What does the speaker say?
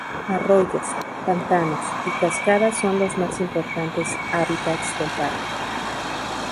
Arroyos, pantanos y cascadas son los más importantes hábitats del parque.